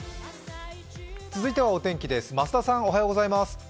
続いては、お天気です。